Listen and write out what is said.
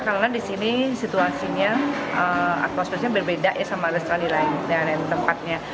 karena di sini situasinya berbeda dengan restoran lain